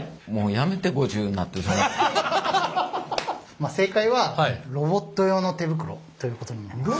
まあ正解はロボット用の手袋ということになります。